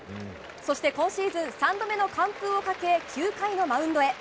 そして、今シーズン３度目の完封をかけ９回のマウンドへ。